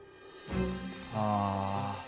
ああ。